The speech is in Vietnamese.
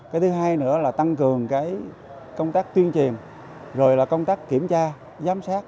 cái thứ hai nữa là tăng cường cái công tác tuyên truyền rồi là công tác kiểm tra giám sát